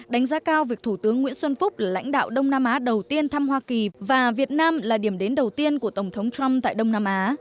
đánh giá cao việc thủ tướng nguyễn xuân phúc lãnh đạo đông nam á đầu tiên thăm hoa kỳ và việt nam là điểm đến đầu tiên của tổng thống trump tại đông nam á